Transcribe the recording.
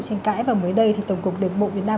tranh cãi và mới đây thì tổng cục đường bộ việt nam